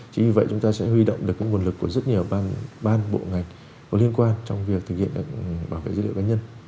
chính vì vậy chúng ta sẽ huy động được nguồn lực của rất nhiều ban bộ ngành có liên quan trong việc thực hiện bảo vệ dữ liệu cá nhân